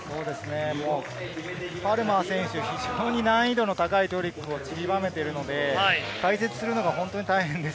パルマー選手、非常に難易度の高いトリックを散りばめているので、解説するのが本当に大変です。